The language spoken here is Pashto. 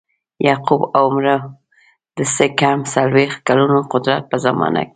یعقوب او عمرو د څه کم څلویښت کلونو قدرت په زمانه کې.